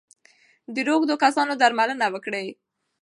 د روږدو کسانو درملنه وکړئ.